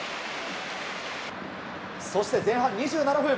そして、前半２７分。